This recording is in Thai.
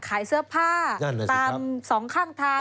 ขายเสื้อผ้าตามสองข้างทาง